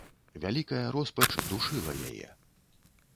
Вялікая роспач душыла яе.